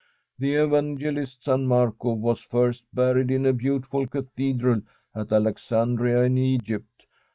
The evangelist San Marco was first buried in a beautiful cathedral at Alex andria in Egypt.